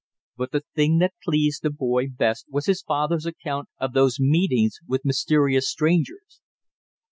But the thing that pleased the boy best was his father's account of those meetings with mysterious strangers.